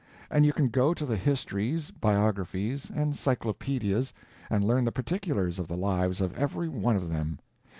—and you can go to the histories, biographies, and cyclopedias and learn the particulars of the lives of every one of them.